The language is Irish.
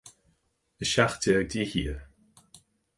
A seacht déag d'fhichithe